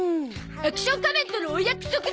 アクション仮面とのお約束だゾ！